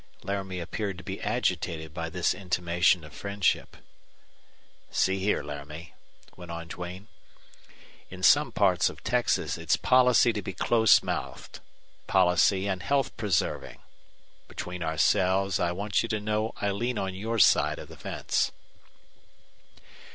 Laramie appeared to be agitated by this intimation of friendship. "See here, Laramie," went on Duane, "in some parts of Texas it's policy to be close mouthed. Policy and health preserving! Between ourselves, I want you to know I lean on your side of the fence."